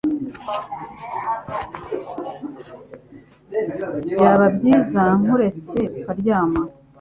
Byaba byiza nkuretse ukaryama